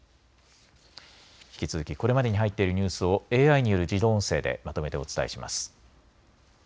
引き続きこれまでに入っているニュースをＡＩによる自動音声でまとめてお伝えします。